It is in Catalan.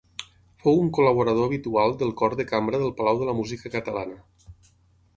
Fou un col·laborador habitual del Cor de Cambra del Palau de la Música Catalana.